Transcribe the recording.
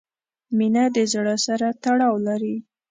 • مینه د زړۀ سره تړاو لري.